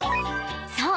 ［そう。